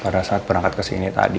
pada saat berangkat kesini tadi